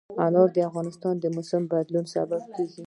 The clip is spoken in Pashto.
انار د افغانستان د موسم د بدلون سبب کېږي.